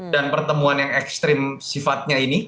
dan pertemuan yang ekstrim sifatnya ini